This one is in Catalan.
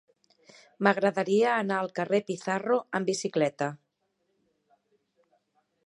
M'agradaria anar al carrer de Pizarro amb bicicleta.